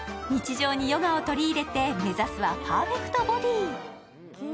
日常にヨガを取り入れて目指すはパーフェクトボディー。